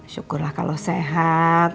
syukurlah kalau sehat